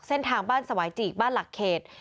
เส้นทางบ้านสวายจีกบ้านหลักเขต